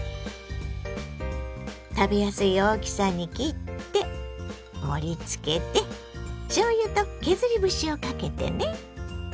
食べやすい大きさに切って盛りつけてしょうゆと削り節をかけてね。